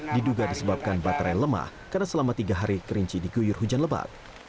diduga disebabkan baterai lemah karena selama tiga hari kerinci diguyur hujan lebat